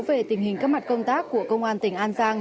về tình hình các mặt công tác của công an tỉnh an giang